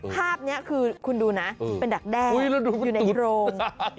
ภาพนี้คือคุณดูนะเป็นดักแด้แล้วอยู่ในโพรง